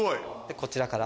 こちらから。